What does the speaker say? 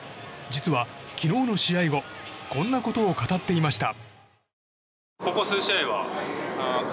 実は、昨日の試合後こんなことを語っていました。